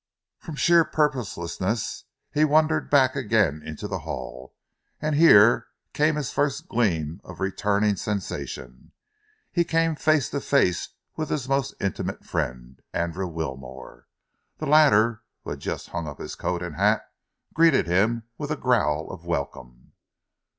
From sheer purposelessness he wandered back again into the hall, and here came his first gleam of returning sensation. He came face to face with his most intimate friend, Andrew Wilmore. The latter, who had just hung up his coat and hat, greeted him with a growl of welcome.